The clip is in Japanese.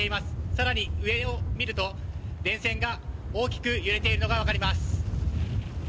更に、上を見ると電線が大きく揺れているのがわかります。